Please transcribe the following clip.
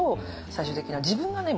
最終的には自分がね